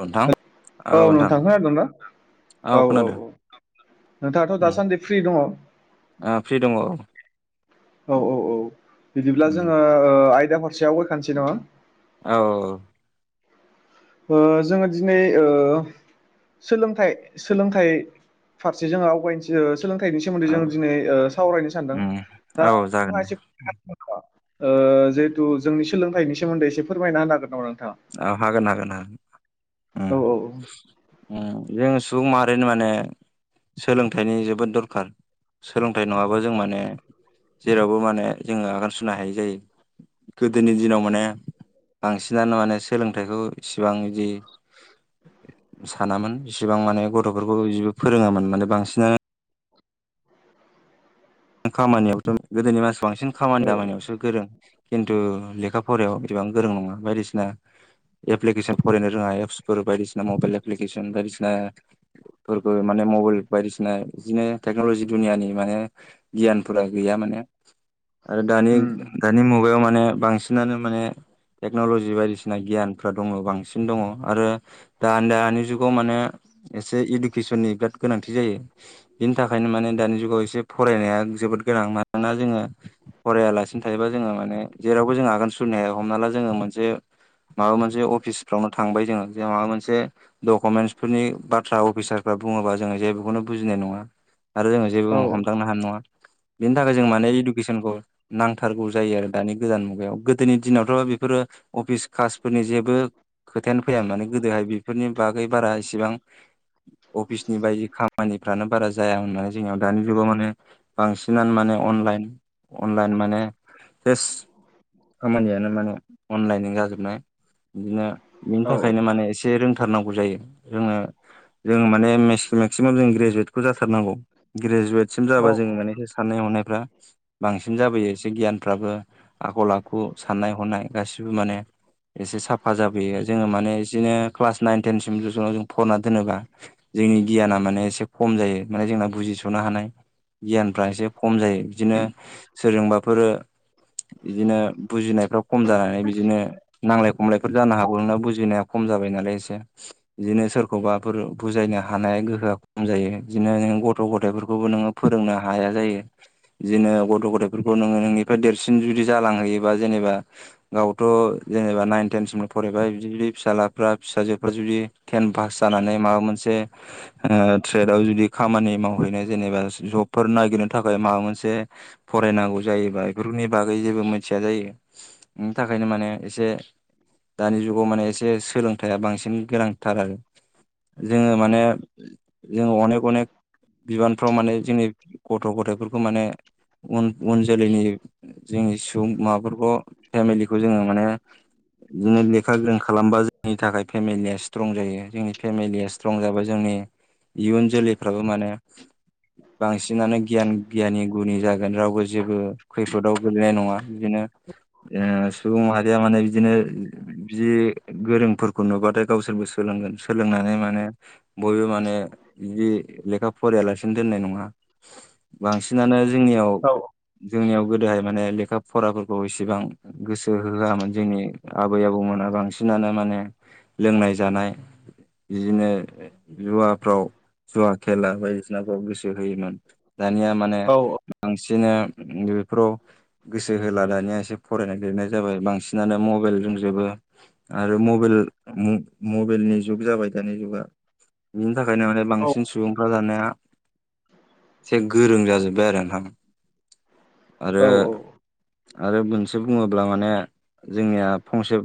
नोंथां औ नोंथां खोनादोंना औ औ औ। नोंथाङाथ' उम दासान्दि फ्रि दङ'। ओ फ्रि दङ औ औ औ औ बिदिब्ला उम जोङो ओ आयदा फारसेयाव गयखानसै नङा। औ औ औ। ओ जोङो दिनै ओ सोलोंथाय सोलोंथाय फारसे जोङो आवगायनोसै। सोलोंथायनि सोमोन्दै औ जों दिनै ओ सावरायनो सानदों उम दा औ जागोन नोंथाङा दे एसे ओ ओ जेतु जोंनि सोलोंथायनि सोमोन्दै एसे फोरमायनो होनोहागोन नामा नों? औ हागोन हागोन। उम औ औ औ। उम जों सुबुं माहारिनो माने सोलोंथायनि जोबोद दरखार सोलों थाय नङाबा जों माने जेरावबो माने जोङो आगान सुरनो हायै जायो। गोदोनि दिनाव माने बांसिनानो माने सोलोंथायखौ इसिबां इदि सानामोन इसिबां माने गथ'फोरखौ बिदिबो फोरोङामोन माने बांसिनानो खामानियावथ' गोदोनि मानसि बांसिन औ खामानि दामानियावसो गोरों। खिन्थु लेखा फरायाव एथ'बां गोरों नङा बायदिसिना एप्लिकेसन फरायनो रोङा एप्सफोर बायदिसिना मबायल एप्लिकेसन बायदिसिना फोरबो माने मबायल बायदिसिना बिदिनो टेक्न'लजि दुनियानि माने गियानफोरा गैया माने आरो दानि उम दानि मुगायाव माने बांसिनानो माने टेक्न'लजि बायदिसिना गियान फोरा दङ' बांसिन दङ' आरो दा-दानि जुगाव माने एसे इडुकेसननि बिराद गोनांथि जायो बेनि थाखायनो माने दानि जुगाव एसे फरायनाया जोबोद गोनां मानोना जोङो फरायालासिनो थायोबा जोङो माने जेरावबो जोंङ आगान सुरनो हाया हमना ला जोङो मोनसे माबा मोनसे अफिसफ्रावनो थांबाय जोङो बेयाव माबा मोनसे डकुमेन्टसफोरनि बाथ्रा अफिसार फोर बुङोबा जोंओ जेबोखौनो बुजिनाय नङा आरो जोङ औ जेबो हमदांनो हानाय नङा। बेनि थाखाय जों माने इडुकेसनखौ बेफोरो अफिस कासफोरनि जेबो खोथायानो फैया माने गोदोहाय बेफोरनि बागै बारा एसेबां अफिसनि बायदि खामानिफ्रानो बारा जाया होननानै जोंनियाव दानि जुगाव माने बांसिनानो माने अनलाइन अनलाइन माने। सेस खामानियानो माने अनलाइनजों जाजोबनाय बिदिनो बिनि औ थाखायनो माने एसे रोंथारनांगौ जायो। जोङो जोङो माने मेक्स-मेक्सिमाम जों ग्रेजुवेटखौ जाथारनांगौ ग्रेजुवेटसिम जाबा जोङो माने साननाय हनायफ्रा बांसिन जाबोयो एसे गियानफ्राबो आखल आखु साननाय हनाय गासि सिबो माने एसे साफा जाबोयो जोङो माने इदिनो क्लास नाइन टेनसिम ज' ज' जों फरायना दोनोबा जोंनि गियाना माने एसे खम जायो माने जोंना बुजिस'नो हानाय गियानफ्रा एसे खम जायो बिदिनो सोरजोंबाफोर बिदिनो बुजिनायफ्रा खम जानानै बिदिनो नांलाय खमलायफोर जानो हागौना बुजिनाया खम जबाय नालाय एसे बिदिनो सोरखौबाफोर बुजायनो हानाय गोहोआ खम जायो। बिदिनो नों गथ' गथायफोरखौबो नोङो फोरोंनो हाया जायो। बिदिनो गथ' गथफोरखौ नोङो नोंनिफ्राय देरसिन जुदि जालांहैयोबा जेनेबा गावथ' जेनेबा नाइन टेनसिम फरायबाय बिदि बिदि फिसालाफ्रा फिसाजोफ्रा जुदि टेन पास जानानै माबा मोनसे से ओ ड्रेदाव जुदि खामानि मावहैनो जेनेबा जबफोर नागिरनो थाखाय माबा मोनसे फरायनांगौ जायोबा बेफोरनि बागै जेबो मिथिया जायो। बिनि थाखायनो माने एसे दानि जुगाव माने एसे सोलोंथाइया बांसिन गोनांथार आरो जोङो माने जोङो अनेक अनेक बिबानफ्राव माने जोंनि गथ' गथायाइफोरखौ माने उन उन जोलैनि जोंनि सुबुं माबाफोरखौ फेमिलिखौ जोङो माने बिदिनो लेखा गोरों खालामबा जोंनि थाखाय फेमिलिया स्ट्रं जायो। जोंनि फेमिलिया स्ट्रं जाबा जोंनि इयुन जोलैफ्राबो माने बांसिनानो गियान गियानि गुनि जागोन रावबो जेबो खैफोदाव गोलैनाय नङा बिदिनो ओ सुबुं माहारिया माने बिदिनो जि गोरोंफोरखौ नुबाथाय गावसोर सोलोंगोन सोलोंनानै माने बयबो माने बि लेखा फरायलासिनो दोननाय नङा बांसिनानो जोंनियाव औ जोंनियाव गोदोहाय माने लेखा फराफोरखौ इसेबां गोसो होआमोन जोंनि आबै आबौमोना बांसिनानो माने लोंनाय जानाय बिदिनो जुवाफ्राव जुवा खेला बायदिसिना गोसो होयोमोन दानिया माने औ औ सिनो बेफोराव गोसो होला दानिया एसे फरायनाय लिरनाय जाबाय बांसिनानो मबाइल रोंजोबो आरो मबेल म मबाइेलनि जुग जाबाय दानि जुगा बिनि थाखायनो माने बांसिन सुबुंफ्रा दानिया एसे गोरों जाजोब्बाय आरो नोंथां आरो औ आरो मोनसे बुङोब्ला माने जोंनिया फंसे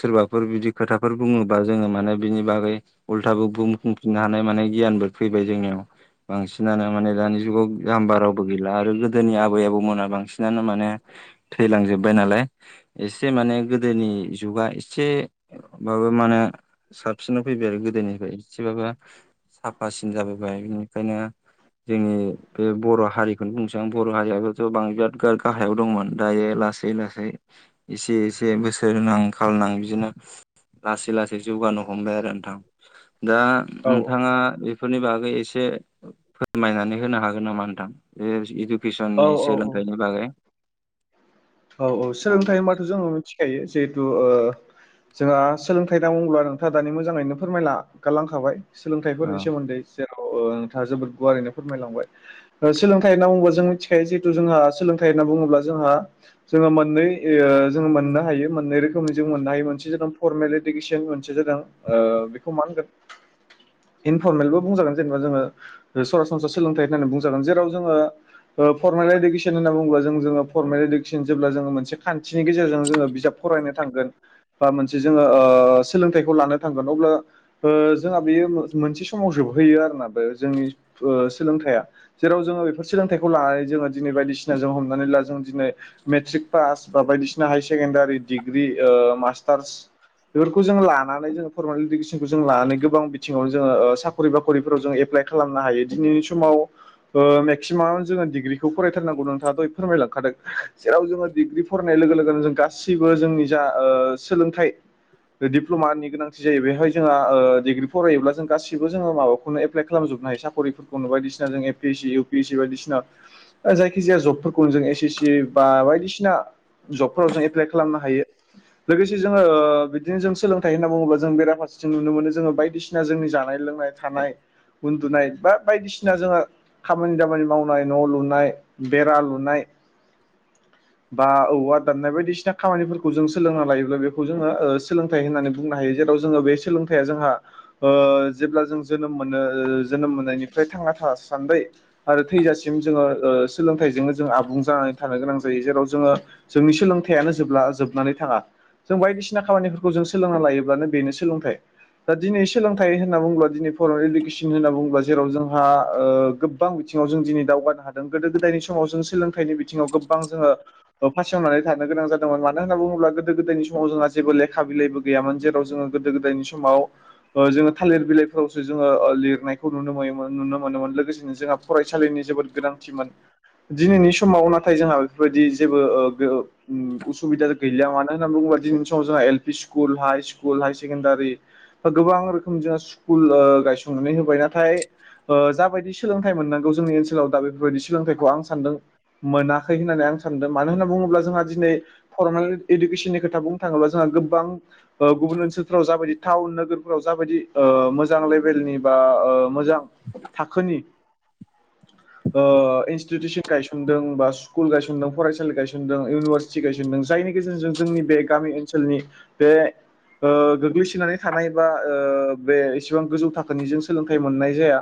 सोरबाफोर बिदि खोथाफोर बुङो ङोबा जोङो माने बिनि बागै उल्थाबो बुंफुंफिननो हानाय माने गियानफोर फैबाय जोंनियाव बांसिनानो माने दानि जुगाव जाम्बा रावबो गैला आरो गोदोनि आबै आबौ मोना बांसिनानो माने थैलांजोबबाय नालाय एसे माने गोदोनि जुगा से माबा मा होनो साबसिनाव फैबाय आरो गोदोनिफ्राय एसेबाबो साफासिन जाबोबाय बेनिखायनो जोंनि बे बर' हारिखौनो बुंनोसां बर' हारियाबो जबां बिराद गा-गाहायाव दंमोन दायो लासै लासै एसे एसे बोसोरनां खाल नां बिदिनो लासै लासै जौगानो हमबाय आरो नोंथां दा नोंथाङा बेफोरनि बा गै एसे फोरमायनानै होनो हागोन नामा नोंथां बे औ इडुकेसननि औ औ सोलोंथाइनि बागै औ औ सोलोंथायाइ होमबाथ' जोङो मिथिखायो जे [unintelligible] जोंहा सोलोंथाइ होना बुङोब्ला नोंथाङा दानि मोजाङैनो फोरमायलागारलांखाबाय। सोलोंथाइफोरनि सोमोन्दै जेर नोंथाङा जोबोद गुवारैनो फोरमायलांबाय सोलोंथाइ होनना बुंङोबा जों मिथिखायो जिहेथु जोंहा सोलोंथाइ होनना बुङोब्ला जोंहा जोङो मोननै जोो मोननो हायो मोननै रोखोमनि जों मोननो हायो मोनसे ज जादों फरमेल इुकेसन मोनसे बेखौ मागोन इनफरमेलबो बुंजागोन जेनेबा जोङो सरासनस्रा सोलोंथाइ होननानै बुंजागोन जेराव जोङो फरमेल इडुकेसन होननाुङोब जोङो फरमेल मोननि गेजेरजों ज बिजाब फरायनो थांगोन बा मोन ज सोलोंथाइखौ लानो थांगोन अब्ला जोंहा बेयो मोनसे समाव जोबहैयो आरोोना बे जोंनि सोलोंथाइया जेराव जोङो बेफोर सोलोंथाइखौ लानानै जोङो दिनै बायदिसिना जों हमनानै ला जों दिनै मेट्रिक पास बा बायदिसिना हाय सेकेण्डारि डिग्रि मास्टार्स बेफोरखौ जों लानानै जोङो फरमेल इडुकेसनखौ जों लानानै गोबां बिथिङाव जोङो साखर्र बाखरिफोराव जों ए खालामनो हायो दिनैनि समाव ओ मेक्सिमाम जोङो डिग्रिखौ फरायथारनांगौ नोंथाङा दह फोरमायलांखादों जेराव जोङो डिग्रि फरायनाय लोगो लोगोनो जों गासैबो जोंनि जा ओ सोलोंथाइ दिप्लमानि गोनांथि जायो बेवहाय जोंहा डिग्रि फरायोब्ला जों गाैबो जोङो माबाखौनो एप्लाइ खालामजोब हायो साख्रिफोरखौनो बायदिसिना जों A P S C, U P S C बायदिसिना जायखि जाया जबफोरखौनो जों एस एस सि बा बायदिसिना जबफोराव जों एप्लाइ खालामनो हायो लोगोसे जोङो ओ बिदिनो जों सोलोंथाइ होनना बुङोबा जों बेराफारसेथिं नुनो मोनो जोङो बायदिसिना जोंनि जानाय लोंनाय थानाय उन्दुनाय बा बायदिसिना जोंहा खामानि दामानि मावनाय न लुनाय बेरा लुनाय [inaudible] बा औवा दाननाय बायदिसिना खामानिफोरखौ जों सोलोंना लायोब्ला बेखौ जोङो सोलोंथाइ होननानै बुंनो हायो जेराव जोङो बे सोलोंथाइआ जोंहा ओ जेब्ला जों जोनोम मोनो ओ जोनोम मोननायनिफ्राय थांना था सान्दै आरो थैजासिम जोङो ओ सोलोंथाइजोंनो जों आबुं जानाय थानो गोनां जायो जेराव जोङो जोंनि सोलोंथाइयानो जोब जोबनानै थाङा जों बायदिसिना खामानिफोरखौ जों सोलोंना लायोब्लानो बेनो सोलोंथाइ दा दिनै सोलोंथाइ होनना बुङोब्ला दिनै फरेल इडुकेसन होनना बुङोब्ला जेराव जोंहा गोबां बिथिं बि जों दिनै दावगानो हादों गोदो - गोदायनि समाव जों सोलोंथाइनि बिथिङाव गोबां जोङो फा सेवनानै थानो गोनां जादोंमोनानो होनना बुङोब्ला गोदो गोदायनि सम जोंहाेबो लेखा बिलाइबो गैयामोन जेराव जोङो गोदो गोदोनि समाव जोङो थालिर बिलाइफोरावसो जोङो लिरनायखौ नुनो मोनोमोन नुनो मोनोमोन लोगोसेनो जोंहा फरायसालिनि जोबोद गोनांथिमोन दिनैनि समाव नथाय नाथाय जोंहा बेफोरबायदि जेबो उसुबिदा गैलिया मानो होननानै बुङोब्ला दिनैनि समाव जोंहा एल पि स्क स्कु हई स्कुल हाय सेकणडारि गोबां रोखोम जोंहा स्कुल गायसंनानै होबाय नाथाय ओ जाबायदि सोलोंथाइ मोननांगौ जोंनि ओनसोलाव दा बेफोरबायदि सोलोंथाइखौ आं सानदों मोनाखै होननानै आं सानदों मानो होनना बुङोब्ला जोंहा दिनै फरायनानै इडुकेसननि खोथा बुंनो थाङोबा जोंहा गोबां गुबुन ओनसोलफ्राव जाबायदि टाउन नोगोरफोराव जाबायदिओ मोजां लेभेलनि बा मोजां थाखोनि ओ इनस्तितिउसन गायसनबाय दो बा स्कुल गायसनदों फरायसालि गायसनदों इउनिभारसिटि गायसनदों जायनि गेजेरजों जोंनि बे गामि ओनसोलनि बे ओ गोग्लैनानै थानाय बा बे इस्क एसेबां गोजौ थाखोनिजों सोलोंथाइ मोननाय जाया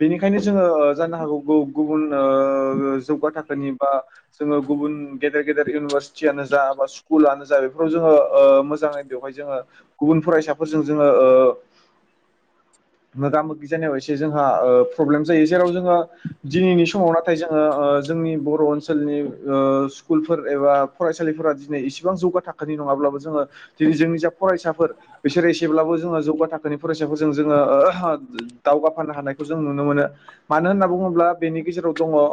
बेनिखायनो जोङो जानो हागौ गुबुन ओ जो जौगा थाखोनि बा जोङो गुबुन गेदेर गेदेर इउनिभारसिटियानो जा बा स्कुलानो जा बेफोराव जोङो ओ मोजाङै बेवहाय जोङो गुबुन फरायसाफोरजों जोङो ओ मोगा- मोगि जानायाव एसे जोंहा प्रब्लेम जायो जेराव जोङो दिनैनि समाव नाथाय जोङो ओ जोंनि बर' ओनसोलनि स्कुलफोर एबा फरायसालिफोरा दिनै इसेबां जौगा थाखोनि नङाब्ला ज जोंनि दिनै जोंनि जा फरायसाफोर बिसोरो एसेब्लाबो जोङो जौगा थाखोनि फरायसाफोरजों जोङो दावगाफानो हानायखौ जों नुनो मोनो मानो होनना बुङोब्ला बेनि गेजेराव दङ ओ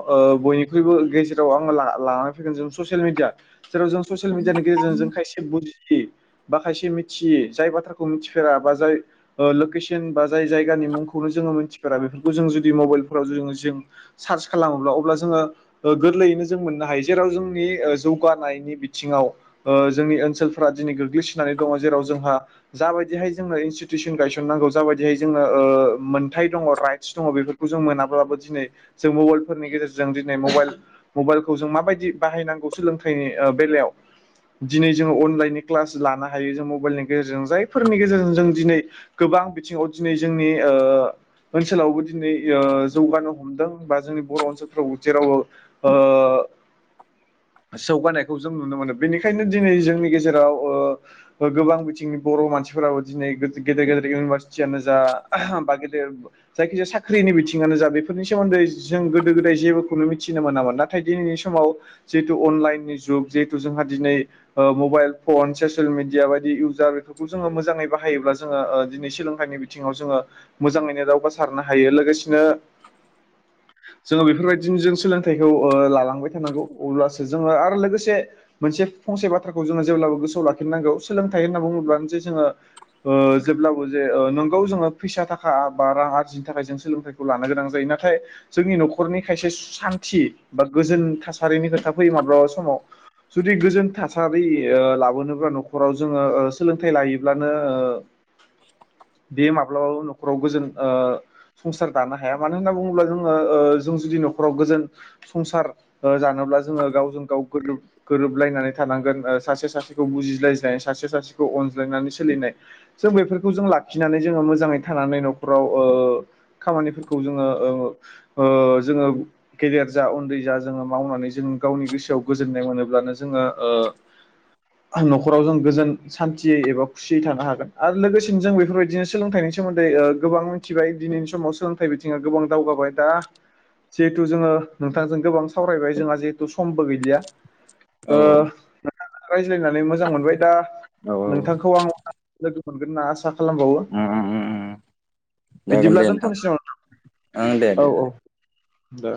बयनिइ ख्रुइबोट गेजेराव आङो ला लानानै फैगोन जों ससियेल मिडिया जेराव जों ससियेल मिडियानि गेजेरजों जों खायसे बुजियि बा खायसे मिथियै जाय बाथ्राखौ मिथिफेरा बा जाय लकेसन बा जाय जायगानि मुंखौनो जों जो मिथिफेरा बेफोरखौ जों जुदि मबाइलफोराव जो जों सार्च खालामोब्ला अब्ला जोङो ओ गोरलैयैनो जों मोननो हायो। जेराव जोंनि जौगानायनि बिथिङाव जोंनि ओनसोलफ्रा दिनै गोग्लैसोनानै दङ। जेराव जोंहा जाबायदिहाय जोंङनो इनस्टिटिउसन गायसनांगौ जाबायदिहाय जोङो ओ ओ मोनथाय दङ राइटस दङ ।बेफोरखौ जों मोनाब्लाबो जों दिनै जों मबाइलफोरनि गेजेरजों दि मबाइ- मबाइलखौ जों माबायदि बाहायनांगौ सोलोंथाइ बेलायाव दिनै जोङो अनलाइननि क्लास लानो हायो ।जों मबाइलनि गेजेरजों जायफोरनि गेजेरजों जों दिनै [unintelligible] गोबां बिथिङाव दिनै जोंनि ओ ओनसोलावबो दिनै ओ जौगानो हमदों बा जोंनि बर' ओनसोलफ्रावबो जेराव ओ जौगानायखौ जों नुनो मोनो ।बेनिखायनो दिनै जोंनि गेजेराव गोबां बिथिंनि बर' मानसि दिनै गेदेर -गेदेर इउनिभारसिटियानो जा बा गेदेर जायखिजाया साख्रिनि बिथिङावनो जा बेफोरनि सोमोन्दै जों गोदो -गोदाय जेबो [unintelligible] मिथिनो मोनामोन ।नाथाय दिनैनि समाव जिहेतु अनलाइननि जुग जिहेथु जोंहा दिनै ओ [unintelligible] मबाइल फन ससियेल मिडिया बायदि इउजार बेफोरखौ जोङो मोजाङै बाहायोब्ला जोङो दिनै सोलोंथाइनि बिथिङाव जोङो मोजाङैनो दावगासारनो हायो ।लोगोसेनो जोङो बेफोर बायदि जों सोलोंथाइखौ लालांबाय थानांगौ ।अब्लासो जोङो आरो लोगोसे मोनसे फंसे बाथ्राखौ जोङो जेब्लाबो गोसोआव लाखिनांगौ ।सोलोंथाइ होनना बुङोब्लाबोनोदि जोङो ओ जेब्लाबो जे नंगौ जोङो फैसा थाखा बा रां आरजिनो थाखाय जों सोलोंथाइखौ लानो गोनां जायो ।नाथाय जोंनि न'खरनि खायसे सान्थि बा गोजोन थासारिनि खोथा फैयो माब्लाबा समाव जुदि गोजोन थासारि लाबोनोब्ला न'खराव जोङो सोलोंथाइ लायोब्लानो ओ बे माब्लाबाबो न'खराव गोजोन ओ संसार दानो हाया मानो होनना बुङोब्ला जोङो ओ जों जुदि न'खराव गोजोन संसार जानोब्ला जोङो गावजों -गाव गोरोब -गोरोबलायनानै थानो नांगोन सासेया सासेखौ बुजिलायनाय सासेया सासेखौ अनज्लायनानै सोलिनाय जों बेफोरखौ जों [unintelligible] [unintelligible] जोङो मोजाङै थानानै न'खराव ओ खामानिफोरखौ जोङो ओ ओ जोङो गेदेर जा उन्दै जा जोङो मावनानै जों गावनि गोसोआव गोजोननाय मोनोब्लानो जोङो ओ [unintelligible] न'खराव जों गोजोन सान्थियै एबा खुसियै थानो हागोन ।आरो लोगोसेनो जों बेफोरबायदिनो सोलोंथाइनि सोमोन्दै गोबां मिथिबाय दिनैनि समाव सोलोंथाइ बिथिङा गोबां दावगाबाय दा जिहेथु जोङो नोंथांजों गोबां सावरायबाय जोंहा जिहेथु समबो गैलिया। ओ औ नोंथाङा रायज्लायनानै मोजां मोनबाय दा औ औ नोंथांखौ आं लोगो मोनगोन ना आसा खालामबावो उम उम उम। जागोन बिदिब्ला दे नोंथां दोनथ'नोसै नामा ओं दे दे दे। दा